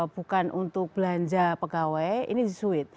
bukan untuk belanja pegawai ini disuit